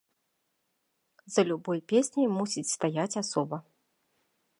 За любой песняй мусіць стаяць асоба.